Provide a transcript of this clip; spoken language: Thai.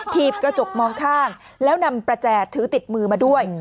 ถีบกระจกมองข้างแล้วนำประแจถือติดมือมาด้วย